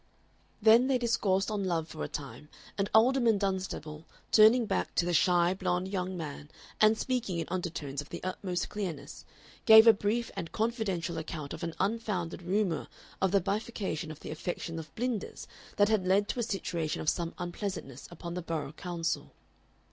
Then they discoursed on love for a time, and Alderman Dunstable, turning back to the shy, blond young man and speaking in undertones of the utmost clearness, gave a brief and confidential account of an unfounded rumor of the bifurcation of the affections of Blinders that had led to a situation of some unpleasantness upon the Borough Council.